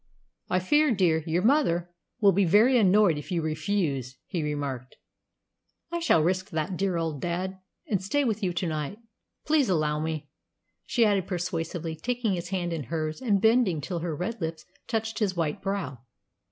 "I fear, dear, your mother will be very annoyed if you refuse," he remarked. "I shall risk that, dear old dad, and stay with you to night. Please allow me," she added persuasively, taking his hand in hers and bending till her red lips touched his white brow.